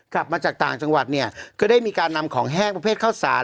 กลับมาจากต่างจังหวัดเนี่ยก็ได้มีการนำของแห้งประเภทข้าวสาร